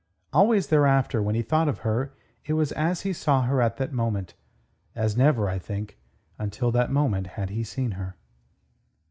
Always thereafter when he thought of her it was as he saw her at that moment, as never, I think, until that moment had he seen her.